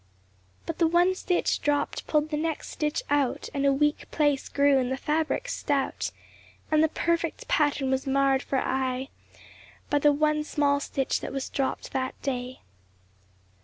But the one stitch dropped pulled the next stitch out, And a weak place grew in the fabric stout ; And the perfect pattern was marred for aye By the one small stitch that was dropped that day.